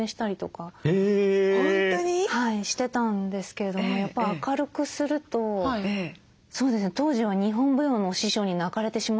してたんですけれどもやっぱ明るくすると当時は日本舞踊のお師匠に泣かれてしまって。